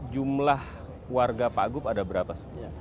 jumlah warga pak gup ada berapa